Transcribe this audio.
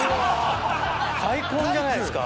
開墾じゃないですか。